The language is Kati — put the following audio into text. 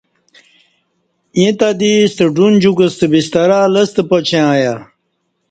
ییں تہ دی ستہ ڈون جُوکہ ستہ بسترہ لستہ پاچیں ایا